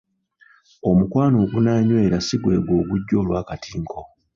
Omukwano ogunaanywera si gwe gwo ogujja olw’akatinko.